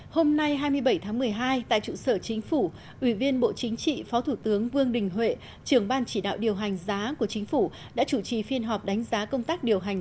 hôm nay hai mươi bảy tháng một mươi hai tại trụ sở chính phủ ủy viên bộ chính trị phó thủ tướng vương đình huệ trưởng ban chỉ đạo điều hành giá của chính phủ đã chủ trì phiên họp đánh giá công tác điều hành